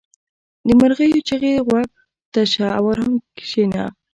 • د مرغیو چغې ته غوږ شه او آرام کښېنه.